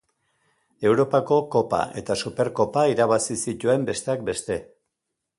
Europako Kopa eta Superkopa irabazi zituen besteak beste.